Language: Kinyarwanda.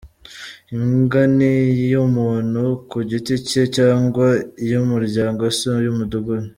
Imbwa ni iy’umuntu ku giti cye cyangwa iy’umuryango; si iy’umudugudu.